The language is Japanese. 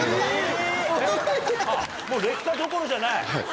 もう劣化どころじゃない。